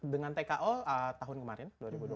dengan tko tahun kemarin dua ribu dua puluh